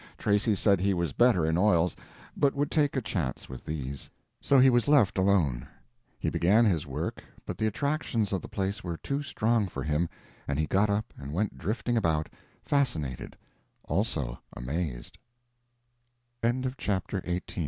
Tracy said he was better in oils, but would take a chance with these. So he was left alone. He began his work, but the attractions of the place were too strong for him, and he got up and went drifting about, fascinated; also amazed. CHAPTER XIX.